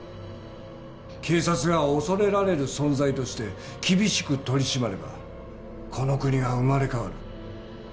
警察が恐れられる存在として厳しく取り締まればこの国は生まれ変わる。